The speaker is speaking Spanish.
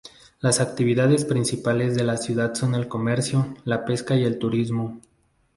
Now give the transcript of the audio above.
Las actividades principales de la ciudad son el comercio, la pesca y el turismo.